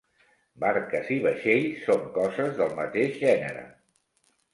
Barques i vaixells són coses del mateix gènere.